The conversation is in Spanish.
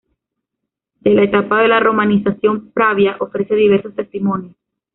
De la etapa de la romanización, Pravia ofrece diversos testimonios.